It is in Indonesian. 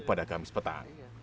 pada kamis petang